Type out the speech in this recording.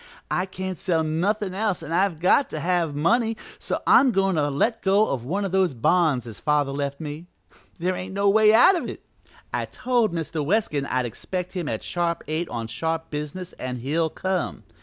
I can't sell nothin' else an' I've got to have money, so I'm goin' to let go of one of those bonds as father left me. There ain't no way out of it; I told Mr. Weskin I'd expect him at sharp eight on sharp business an' he'll come.